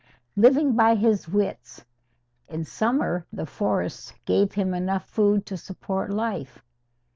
Living by his wits, in summer the forests gave him enough food to support life.